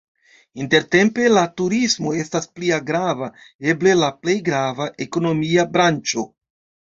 Intertempe la turismo estas plia grava, eble la plej grava, ekonomia branĉo.